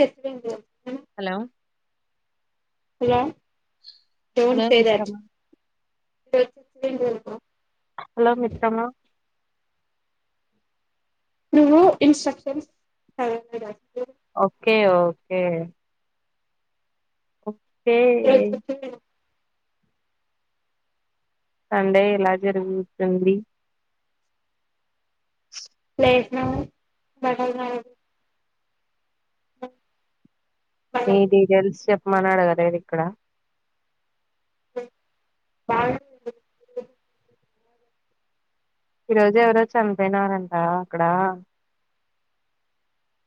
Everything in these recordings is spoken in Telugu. చెప్పింది హలో హలో అదే అండి చెప్పండి లేదు తిన్లేదు హలో మిత్రమా నువ్వు ఇంస్ట్రక్షన్స్ చదవలేదా అండి ఓకే ఓకే ఓక్ తే సండే ఎలా జరుగుతుంది లేసిన బటల్ సై [inaudible] నీ డీటెయిల్స్ చెప్ మా నాన్న గార్ లెరిక్కడ [unintelligible] బాగ ఈ రోజు ఎవరో చనిపోయినారంట అక్కడ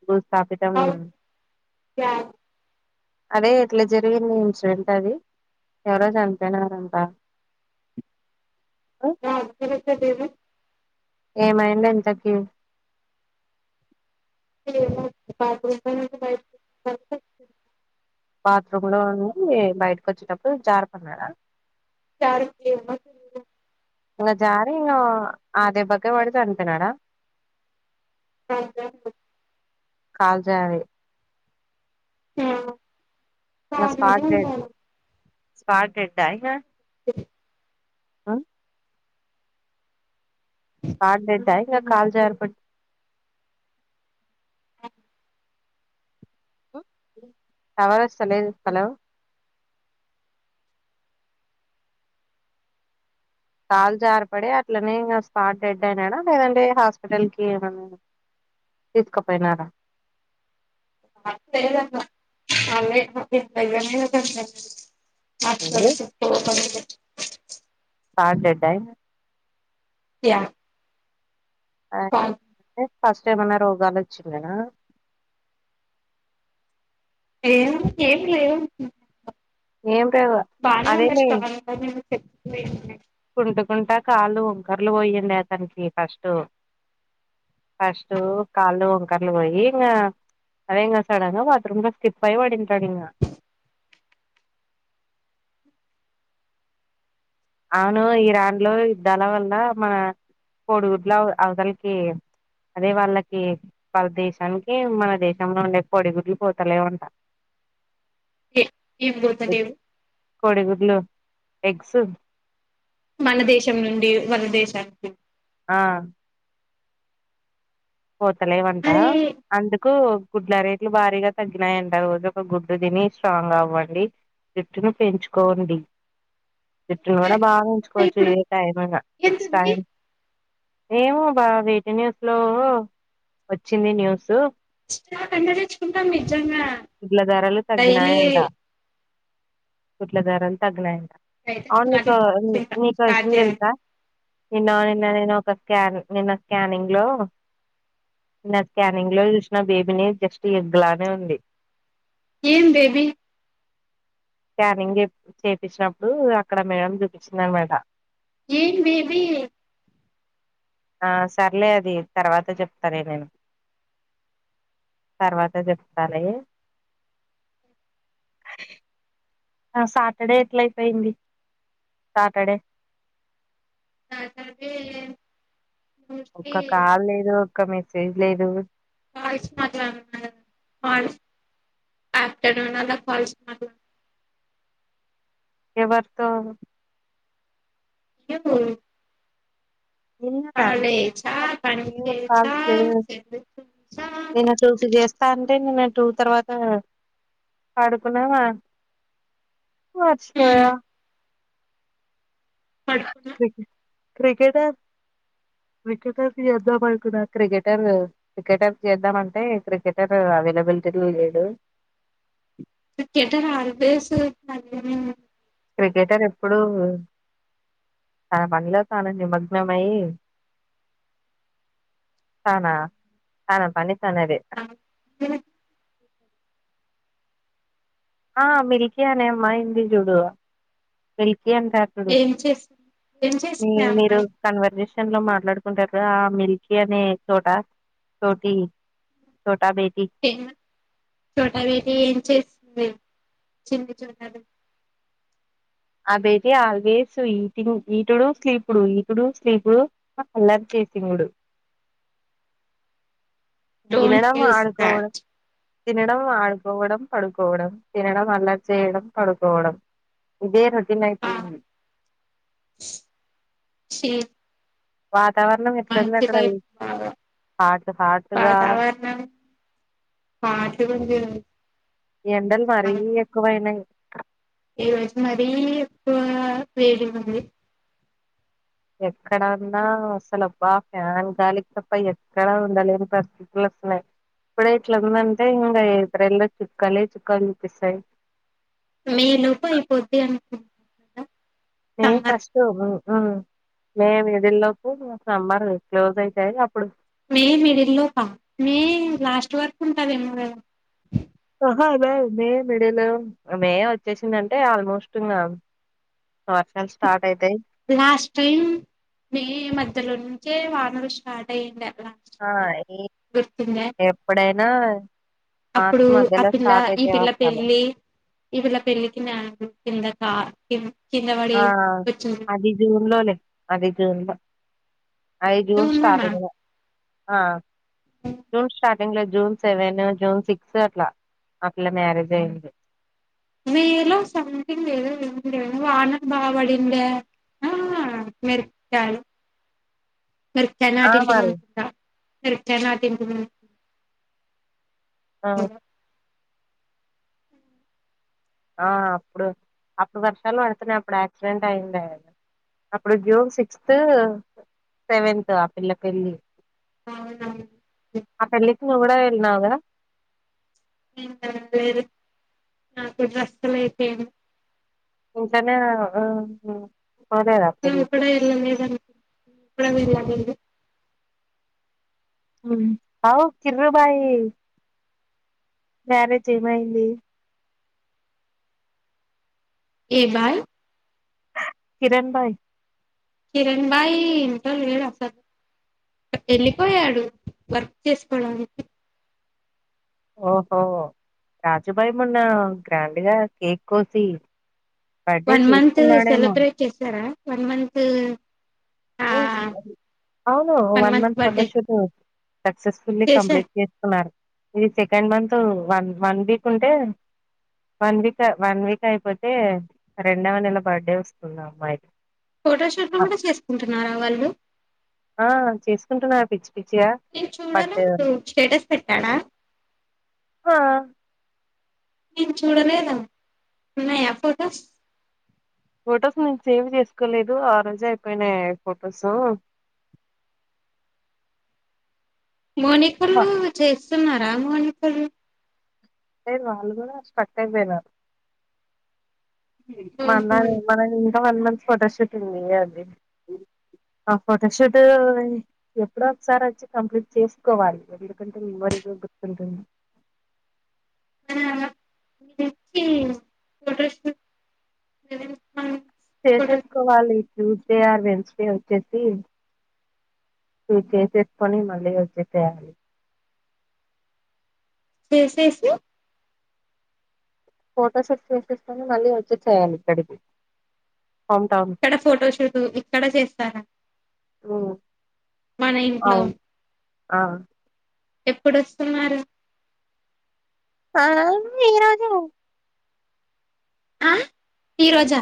భూస్థాపితం జార్ అదే ఎట్లా జరిగింది ఇన్సిడెంట్ అని ఎవరో చనిపోయినారంటా [unintelligible] ఏమైంద్ ఇంతకీ [unintelligible] బాత్రూమ్ లో ఉండి బయటక్ వచ్చినప్పుడు జార్ పడ్డ్డాఅడా తారు క్కి [unintelligible] ఇంగ జారీ ఆ ఆ దెబ్బకే పడి చనిపోయినాడా [unintelligible] అ కాల్ జారీ హుమ్మ్ అ స్పార్ డేడ్డ ఇగా స ఆ స్మార్ట్ ట్యి కాాల జారీ పడ్ కావాల స లే అసలో కాల్ జారపడి అట్లనే ఇం స్పాట్ డెడ్ అయినాడా లేదంటే హాస్పిటల్ కి ఏమ తీసుకుపోయినార అంతేగదా అన్ని ఏంది అసలు కార్డెడ్యి థ్యా ఆ మ ఫస్ట్ టైం అన్నా రోగాలు వచ్చింనా ఏం ఏం లేవు ఏం పవు అధెలె మీమ్ అంతుకుంట కాళ్ళు వంకరలు పోయిడి అతనికి ఫస్ట్ ఫస్ట్ కాళ్ళు వంకరలు పోయి ఇ అదే ఇం సడన్ బాత్రూమ్ లో స్కిప్ అయి పడింటాడు ఇ అవును ఇరాన్ లో ఇద్దాల వల్ల మన కోడిగుడ్లు అవతలకి అదే వాళ్ళకి వాళ్ళ దేశానికి మన దేశంలో ఉండే కోడిగుడ్లు పోతలే ఉంట ఏ ఏం పోతలేవు కోడ గులో ఎగ్జ మన దేశం నుండి మలా దేశానికి ఆ పోతలేవంట అరే అందుకు గుడ్ల రేట్లు భారీగా తగ్గినాయంటడి రోజు ఒక గుడ్డు తిని స్ట్రాంగ్ అవ్వండి జిఫ్ట్ను పెంచుకోండి జిఫ్ట్ను కూడా బాగాంచుకోవచ్చు ఇప్పుడు ఏ టైమ్ ఇట్స్ టై ఎంతుంది ఏమో బా వేటినే అసలు వచ్చింది న్యూస్ అండ తెచ్చుకుంటాం మీ నిజాంగా డైలీ కుట్లా దారలు తగినాయి అయితే అవును తినాలి నీకు తింటా నీకు ఒకా స్టార్ట్ విషయం చేయాలి టెలుసా నిన్న నిన్న నేను ఒక స్కాన్ నిన్న స్కానింగ్ లో నిన్న స్కానింగ్ లో చూసిన బేబీని జస్ట్ ఎ్లానే ఉంది ఏం బేబీ స్కానింగ్ చేయించినప్పుడు అక్కడ మేడం చూపించింది అనమాట ఏ బేబీ ఆ సర్లే అది తర్వాత చెప్తాలే నేను తర్వాత చెప్తాలే సాటర్డే ఎట్లయిపోయింది సాటర్డే సాటర్డే ఒ మోస్ట్లీ కాాల లేదు క్క మేసేజ్ లేదు కాల్స్ మట్లదుతునగా కాల్స్ ట్లా ఆఫటర్నూన్ అలా కాల్స్ ఎవరితో ఇవ్వు నిన్ననా కేలే చ కను నిన్న థెరిచా కాల్స్ లేదు అంటే చ తంటే నేను టూ తర్వాత పడుకున్నావా మర్చిపోయా హ్మ్ పడుకున్నా క్రిక్ క్రికెటర్ వికెటర్ కి చేద్దాం అనుకున్న క్రికెటర్ వికెటర్ చేద్దామంటే క్రికెటర్ అవైలబిలిటీలో లేడు క్రికెటర్ అరుపేసు [unintelligible] క్రికెటర్ ఇప్పుడు తన పనిలో తాను నిమగ్నమయి తన తన పని తనదే ఆ మిలికి అనే అమ్మా ఇంది జుడ మ అంట అప్పుడు ఏం చేసింది ఏం మీ చేసింది ఆ మీరు అమ్మాయి కన్వర్సేషన్ లో మాట్లాడుకుంటారు ఆ మిల్కీ అనే చోట చోటి చో టెన్ చోట వేటి ఏం చేసింది చింది చోటాలు అదైటి ఆల్వేస్ ఈటింగ్ ఈటుడు స్లీపుడు ఈటుడు స్లీపుడు కల్లర్ చేసింగుడు డోంట్ తన్నడం యూస్ ఆడుకోవడం దాట్ తినడం ఆడుకోవడం పడుకోవడం తినడం అలర్చడం పడుకోవడం ఇదే రో ఆ తిన్నాయిపోఇంది వాట్ ఫాటిఫ్యూ బాగా హాట్ హాట్ గా వాతావరణం హార్ట్ గువుంది ఎండలు మరీ ఎక్కువైనాయి ఈరోజు మరీ ఎక్కువ వేడు వుంది ఎక్కడన్నా అసలు అబ్బా ఫ్యాన్ గాలికి తప్ప ఎక్కడా ఉండలేని పరిస్థితులు వస్తున్నాయి ఇప్పుడ ఇట్లాందంటే ఇంకా ఇతరల్లో చుక్కాలే చుక్కాలు చూపిస్తాయి మే లోపు అయిపోద్ది అనుకు నేను ఫాస్ట్ హు హ మేము వేలే లోపు మా సమ్మర్ క్లోజ్ అయితాయి అప్పుడు మే మిడిల్ లో కా మే లాస్ట్ వరకు ఉంటాదమవేమ కదా హ బే మే వీడిలో మే వచ్చేసింది అంటే ఆల్మోస్ట్ ఇంకా వర్షమ్ స్టార్ట్ అయితాయి లాస్ట టైం ఈ మధ్యలోనే చెే వానలు స్టార్ట్ అయిదే ఆ ఈ ఎప్పుడ న అప్పుడు ఆ పిల్ల ఈ పిల్ల వర్షాలు పెళ్లి ఈ పిల్ల పెళ్లికి నేదు కింద కా కింద పడి ఆ వచ్చింది అది జూన్ లోనె అది జూన్లో అది జూన్ చూడలేనా స్టార్టింగ్ లో ఆ జూన్ స్టార్టింగ్ లో జూన్ సెవెన్ జూన్ సిక్స్ అట్లా అట్లా మ్యారేజ్ అయ్యింది మేలో సథింగ్ లేదు ఏం లేదు వానలు బాగాడిండ ఆ మీరు కారే [unintelligible] మాట ఆ ఇంటది మరి అనుకుంటా [unintelligible] ఆ ఆ అప్పుడు అప్పుడు వర్షాలు పడుతున్నాయి అప్పుడు యాక్సిడెంట్ అయ్యుండే అప్పుడు జూన్ సిక్స్త్ సెవెన్త్ ఆ పిల్ల పెళ్ళి అవునవును ఆ పెల్ళకి [unintelligible] అవునా లేదు నాకు డ్రస్సులు అయిపోయినయ్ ఇంట్లనే కదా ఆ ఉ నా కూడా కూడా ఎదో [unintelligible] [unintelligible] ఉ అవు కిర్రుభాయి మ్యారేజ్ ఏమైంది ఏ బాల్ కిరణ్ బాయ్ కిరణ్ బాయి ఇంట్లో లేడు అసలు వెళ్ళిపోయాడు వర్క్ చేసుకోడానికి ఓహో రాజుభాయి మొన్న గ్రాండ్గా కేక్ కోసి బర్త్డే వన్ మంత్ చేసుకున్నాడేమో సెలబ్రేట్ చేసారా వన్ మంత్ ఆ ఎస్ అవును one month photoshoot successfully complete చేశారు చేస్తుకున్నారు ఇది second month one one week ఉంటే వన్ వీక్ వన్ వీక్ అయిపోతే రెండవ నెల బర్త్డే వస్తుంది అమ్మాయి ది ఫోటో షోట్ కూడా చేసుకుంట అంటున్నారా వాళ్ళు ఆ చేసుకుంటున్నా పిచ్చి పిచ్చిగా నేను చూడను బట్ స్టేటస్ పెట్టడా హా నేను చూడలేదు ఉన్నాయా ఫొటోస్ ఫొటోస్ నేను సేవ్ చేసుకోలేదు ఆ రోజు అయిపోయినాయి ఫొటోసు మౌనికున్ను చేస్ తిన్నారా మీరిప్పుడు టే వాళ్ళు కూడా స్ట్రక్ అయిపోయినారు మన్న ఓహో మన ఉరి ఇంకా వన్ మంత్ ఫొటోషూట్ ఉంది కదా అది అ ఫోటోషూట్ ఎప్పుడో ఒకసారి వచ్చి కంప్లీట్ చేసుకోవాలి ఎందుకంటే మేమోరిగా గుర్తుంటుంది తెచ్చి ఫోటోషూట్ మనం ఫోటోషూట్ చేసేసుకోవాలి ట్యూస్డే ఆర్ వెన్స్డే వచ్చేసి టూ చేససుకొని మళ్ళీ వచ్చేసయాలి చేసేసీ ఫోటోషూట్ చేసిసుకొని మళ్ళీ వచ్చి చేయాలి ఇక్కడికి హోమ్ టౌన్ కి ఇక్కడ ఫోటోషూట్ ఇక్కడ చేస్తారా ఉమ్, మన ఇంట్లో అవును ఆ ఎప్పుడొస్తున్నారు అ ఈరోజు ఆ ఈ రోజా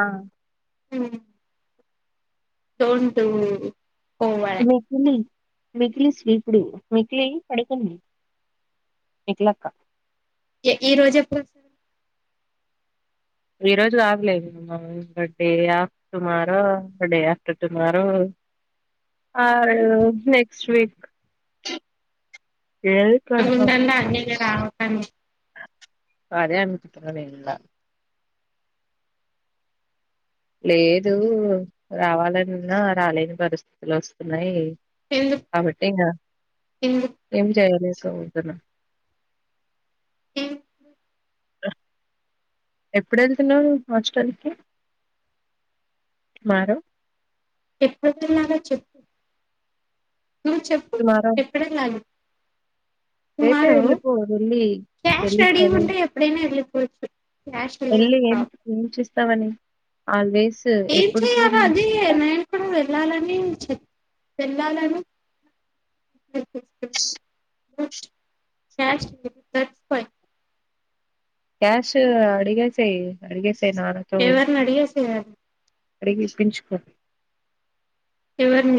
ఆ ఉమ్ ఫోన్ పే లేదు రేపున్నాయి మికిలి స్వీపుడు మికిలి పడుకుంది మికిలక్క ఏ ఈ రోజు ఎప్పుడు సార్ ఈ రోజు కాగలేదు మ బడే after tomorrow day after tomorrow ఆ రోజు నెక్స్ట్ వీక్ ఏది కన్ఫర్మ్ ఉందండా అన్నీక రావటానికి అదే అనిపిస్తున్న నేను కూడా లేదు రావాలనివున్నా రాలేని పరిస్థితులు వస్తున్నాయి ఎందుకు ఆబ టి నా ఎందుకు ఏం జయనే చదువుతున్న ఉమ్ అ ఎప్పుడు వెళ్తున్నారు హాస్టల్కి టుమారో చెప్పతున్నాగా చెప్ నువ్వు చెప్పు టుమారో ఎప్పుడ కానీ రేపే వెళ్ళిపో వెళ్ళ వెళ్ళిచదు వ పనులు ఏం ఏం చేస్ తనని ఆల్వేస్ ఏం ఎప్పుడు కూడా చేయలా అది నాక్కూడా ల్లాలనిలచ్ పెళ్ళాలను క్యాష్ పట్టుకుపోయి క్యాష్ అడిగేసేయ్ అడిగేసే ఏవర్ని అడిగేసేయ్ రాదు అడిగిప్పించుకో ఎవర్ని